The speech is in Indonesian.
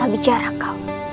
masa bicara kau